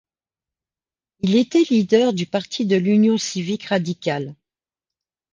Il était leader du parti de l'Union civique radicale.